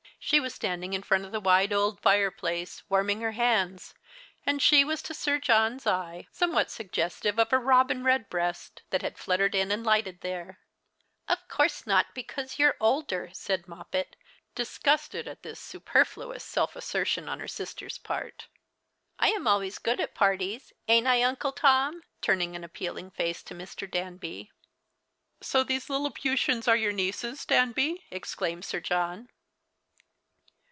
She was standing in front of the wide old fireplace, warming her hands, and she was to Sir John's eye some what suggestive of a robin redbreast that had fluttered in and lighted there. " Of course not, because you're older," said Moppet, disgusted at this superfluous self assertion on her sister's part. " I am always good at parties— ain't I, Uncle Tom ?" turning an appealing face to Mr. Danby. The Christmas Hirelings. 101 " So these Lilliputians are your nieces, Danby ?" exclaimed Sir John.